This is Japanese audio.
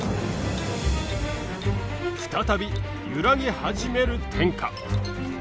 再び揺らぎ始める天下。